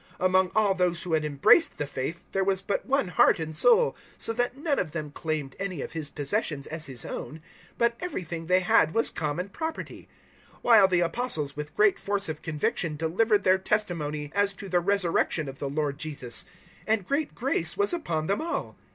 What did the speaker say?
004:032 Among all those who had embraced the faith there was but one heart and soul, so that none of them claimed any of his possessions as his own, but everything they had was common property; 004:033 while the Apostles with great force of conviction delivered their testimony as to the resurrection of the Lord Jesus; and great grace was upon them all.